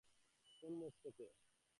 কোন মুখ থেকে?